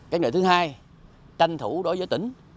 cái nhờ thứ hai tranh thủ đối với tỉnh